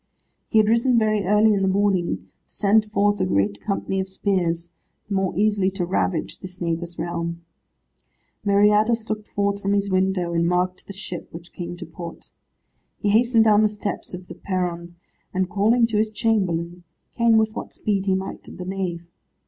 He had risen very early in the morning, to send forth a great company of spears, the more easily to ravage this neighbour's realm. Meriadus looked forth from his window, and marked the ship which came to port. He hastened down the steps of the perron, and calling to his chamberlain, came with what speed he might to the nave.